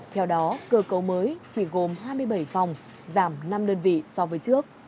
theo đó cơ cấu mới chỉ gồm hai mươi bảy phòng giảm năm đơn vị so với trước